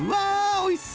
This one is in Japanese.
おいしそう！